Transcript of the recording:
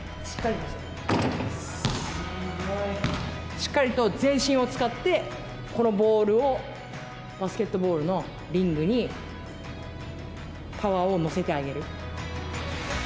しっかりと全身を使ってこのボールをバスケットボールのリングにパワーを乗せてあげる。